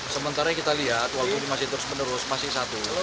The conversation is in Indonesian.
sementara kita lihat walaupun masih terus menerus masih satu